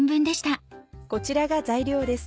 こちらが材料です。